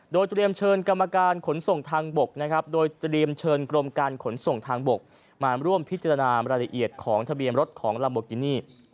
โดยเตรียมเชิญกรรมการขนส่งทางบกมาร่วมพิจารณารายละเอียดของทะเบียนรถของลำบกินี่